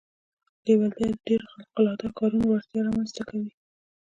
لېوالتیا د ډېرو خارق العاده کارونو وړتیا رامنځته کوي